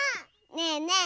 ねえねえ